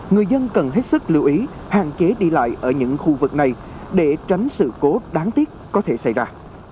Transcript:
người dân cần hết sức lưu ý hạn chế đi lại ở những khu vực này để tránh sự cố đáng tiếc có thể xảy ra